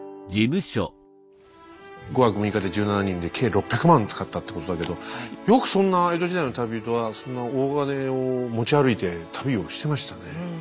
５泊６日で１７人で計６００万使ったってことだけどよくそんな江戸時代の旅人はそんな大金を持ち歩いて旅をしてましたね。